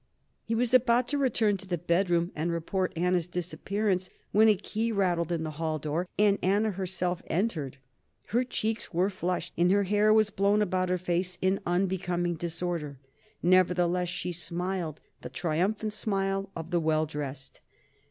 He was about to return to the bedroom and report Anna's disappearance when a key rattled in the hall door and Anna herself entered. Her cheeks were flushed and her hair was blown about her face in unbecoming disorder. Nevertheless, she smiled the triumphant smile of the well dressed.